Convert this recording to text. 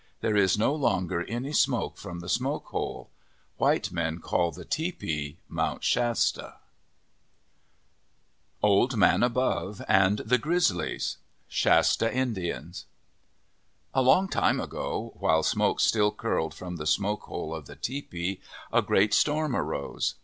There is no longer any smoke from the smoke hole. White men call the tepee Mount Shasta. 34 OF THE PACIFIC NORTHWEST OLD MAN ABOVE AND THE GRIZZLIES Shasta Indians ALONG time ago, while smoke still curled from the smoke hole of the tepee, a great storm arose.